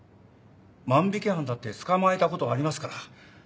万引き犯だって捕まえたことありますから。